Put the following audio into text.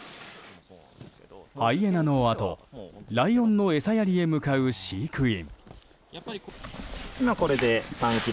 ハイエナのあと、ライオンの餌やりに向かう飼育員。